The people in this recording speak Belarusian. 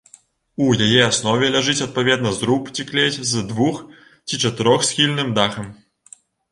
У яе аснове ляжыць адпаведна зруб ці клець з двух- ці чатырохсхільным дахам.